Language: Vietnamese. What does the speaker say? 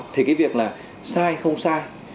thì cái việc là sai không sai